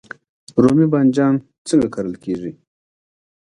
رومی بانجان څنګه کرل کیږي؟